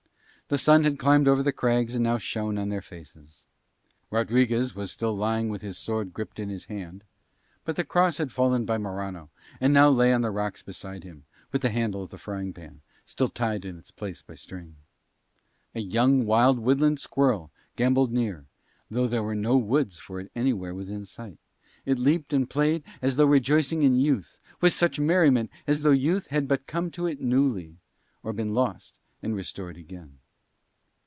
The sun had climbed over the crags and now shone on their faces. Rodriguez was still lying with his sword gripped in his hand, but the cross had fallen by Morano and now lay on the rocks beside him with the handle of the frying pan still tied in its place by string. A young, wild, woodland squirrel gambolled near, though there were no woods for it anywhere within sight: it leaped and played as though rejoicing in youth, with such merriment as though youth had but come to it newly or been lost and restored again.